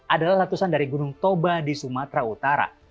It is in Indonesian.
adalah letusan dari gunung toba di sumatera utara